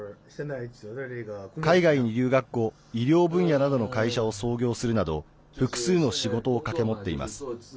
海外に留学後、医療分野などの会社を創業するなど複数の仕事を掛け持っています。